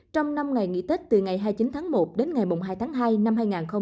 trong năm ngày nghỉ tết từ ngày hai mươi chín tháng một đến ngày hai tháng hai năm hai nghìn hai mươi